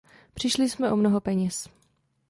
Přišli jsme o mnoho peněz.